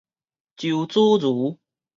周子瑜